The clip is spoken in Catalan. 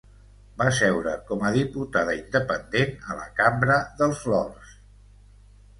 Va seure com a diputada independent a la Cambra dels Lords.